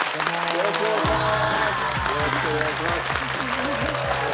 よろしくお願いします。